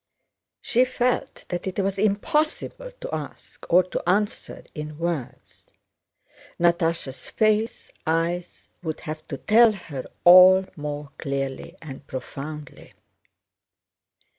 She felt that it was impossible to ask, or to answer, in words. Natásha's face and eyes would have to tell her all more clearly and profoundly.